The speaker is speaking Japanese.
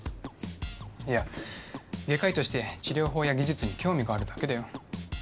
いや外科医として治療法や技術に興味があるだけだよ